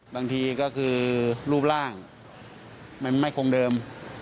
บางทีก็คือรูปร่างมันไม่คงเดิม